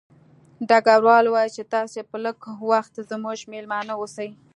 ډګروال وویل چې تاسې به لږ وخت زموږ مېلمانه اوسئ